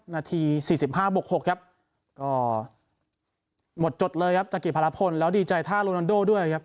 นาที๔๕บวก๖ครับก็หมดจดเลยครับจักริพารพลแล้วดีใจท่าโรนันโดด้วยครับ